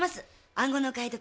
暗号の解読